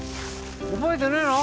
覚えてねえの？